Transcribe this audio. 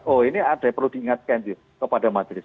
oh ini ada yang perlu diingatkan kepada majelis